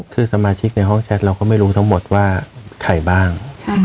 คือสมาชิกในห้องแชทเราก็ไม่รู้ทั้งหมดว่าใครบ้าง